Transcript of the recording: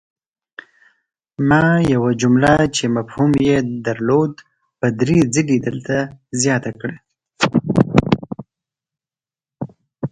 ما یوه جمله چې مفهوم ېې درلود په دري ځلې دلته زیاته کړه!